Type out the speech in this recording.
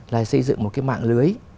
là xây dựng một cái mạng lưới